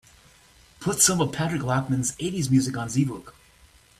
Put some of Patrick Lachman's eighties music on Zvooq